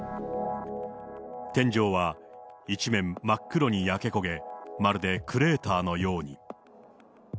天井は一面、真っ黒に焼け焦げ、まるでクレーターのように。